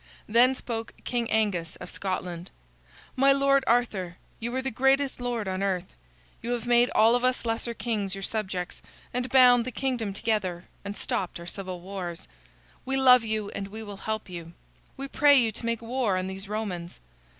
Then spoke King Angus of Scotland: "My lord Arthur, you are the greatest lord on earth. You have made all of us lesser kings your subjects, and bound the kingdom together, and stopped our civil wars. We love you and we will help you. We pray you to make war on these Romans.